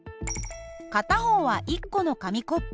片方は１個の紙コップ。